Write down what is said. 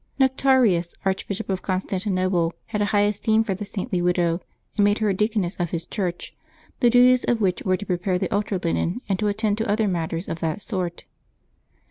Nectarius, Archbishop of Constantinople, had a high esteem for the saintly widow, and made her a deaconess of his church, the duties of which were to prepare the altar linen and to attend to other matters of that sort.